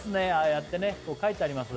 やってねこう書いてあります